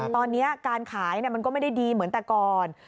ตอนนี้การขายมันก็ไม่ได้ดีเหมือนแต่ก่อน